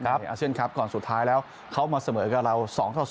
ในอาเซียนครับก่อนสุดท้ายแล้วเขามาเสมอกับเรา๒ต่อ๐